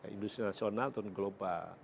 industri nasional dan global